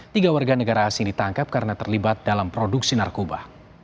tiga warga negara asing ditangkap karena terlibat dalam produksi narkoba